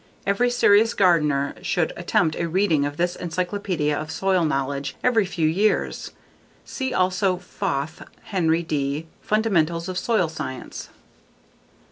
Every serious gardener should attempt a reading of this encyclopedia of soil knowledge every few years. See also Foth, Henry D. _Fundamentals of Soil Science.